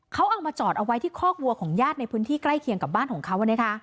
เขาเอามาจอดเอาไว้ที่คอกวัวของญาติในพื้นที่ใกล้เคียงกับบ้านของเขา